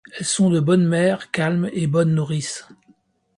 Elles sont de bonnes mères, calmes et bonnes nourrices.